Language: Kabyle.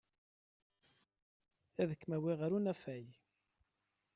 Ad kem-awiɣ ɣer unafag.